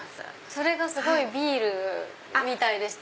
それがすごいビールみたいでした。